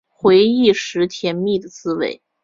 回忆时甜蜜的滋味